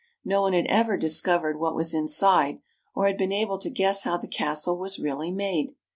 No one had ever discovered what was inside, or had been able to guess how the castle was really made.